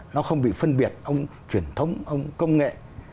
nó không bị phân biệt ông truyền thống ông công nghệ